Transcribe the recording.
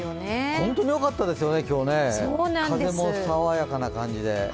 本当によかっですよね、風も爽やかな感じで。